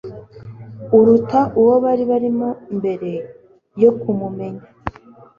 uruta uwo bari barimo mbere yo kumumenya. ?